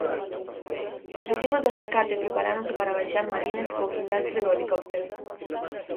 Os equipos de rescate preparáronse para baixar Marines co guindastre do helicóptero.